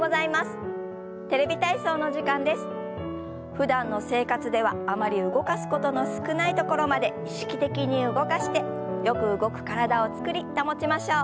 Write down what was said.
ふだんの生活ではあまり動かすことの少ないところまで意識的に動かしてよく動く体を作り保ちましょう。